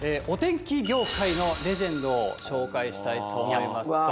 お天気業界のレジェンドを紹介したいと思います。